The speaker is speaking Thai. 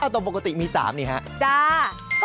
ตอนปกติมีสามนี่ครับ